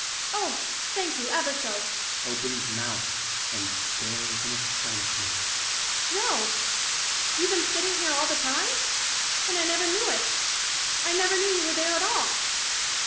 ) Oh, thank you ever so ( Opens mouth and stares in astonishment.) Joe — you been sitting here all the time ? And I never knew it ; I never knew you were there at all.